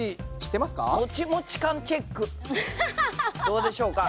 どうでしょうか？